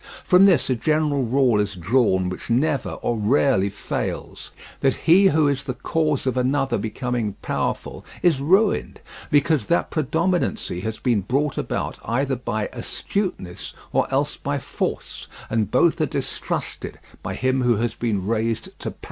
From this a general rule is drawn which never or rarely fails: that he who is the cause of another becoming powerful is ruined; because that predominancy has been brought about either by astuteness or else by force, and both are distrusted by him who has been raised to power.